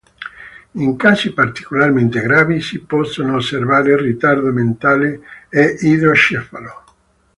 In casi particolarmente gravi si possono osservare ritardo mentale e idrocefalo.